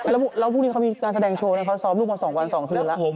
แล้วพรุ่งนี้เขามีการแสดงโชว์เขาซ้อมลูกมา๒วัน๒คืนแล้ว